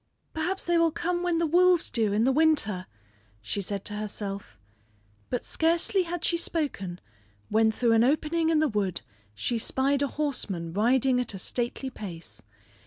"Perhaps they will come when the wolves do in the winter," she said to herself; but scarcely had she spoken when through an opening in the wood she spied a horseman riding at a stately pace.